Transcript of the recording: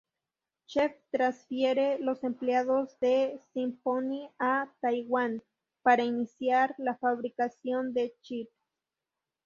Chen transfiere los empleados de Symphony a Taiwán para iniciar la fabricación de chips.